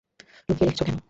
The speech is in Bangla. লুকিয়ে রেখেছ কেন?